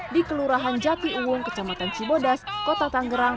di kelurahan jati uwung kecamatan cibodas kota tanggerang